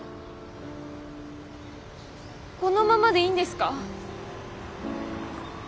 このままでいいんですか？